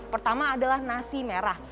pertama adalah nasi merah